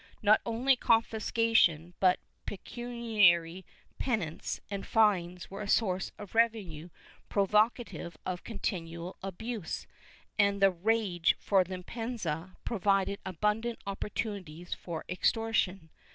Not only confiscation but pecuniary penance and fines were a source of revenue pro vocative of continual abuse, and the rage for Limpieza provided abundant opportunities for extortion.